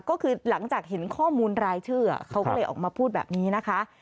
ก็คือหลังจากเห็นข้อมูลรายชื่อเขาก็เลยออกมาพูดแบบนี้นะคะ